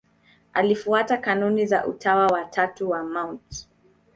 Alifuata kanuni za Utawa wa Tatu wa Mt.